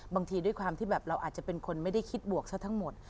บางทีด้วยความที่แบบเราอาจจะเป็นคนไม่ได้คิดบวกซะทั้งหมด